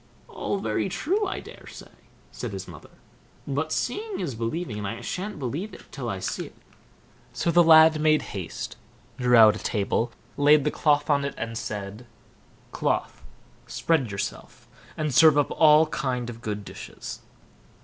"All very true, I daresay," said his mother; "but seeing is believing, and I shan't believe it till I see it." So the lad made haste, drew out a table, laid the cloth on it, and said: "Cloth, spread yourself, and serve up all kind of good dishes."